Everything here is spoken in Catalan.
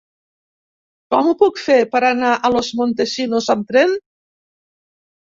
Com ho puc fer per anar a Los Montesinos amb tren?